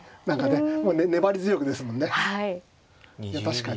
確かに。